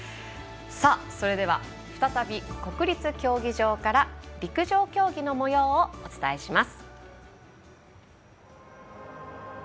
それでは、再び国立競技場から陸上競技のもようをお伝えします。